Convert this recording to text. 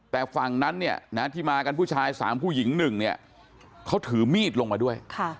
แต่ฝั่งนั้นเนี่ยนะที่มากันผู้ชาย๓ผู้หญิง๑เนี่ยเขาถือมีดลงมาด้วย